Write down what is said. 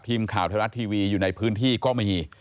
ทีมข่าวธรรมนัดทีวีอยู่ในพื้นที่ก็ไม่มี